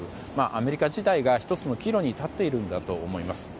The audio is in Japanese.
アメリカ自体が１つの岐路に立っているんだと思います。